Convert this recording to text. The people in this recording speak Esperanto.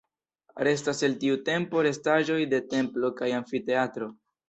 Restas el tiu tempo restaĵoj de templo kaj amfiteatro.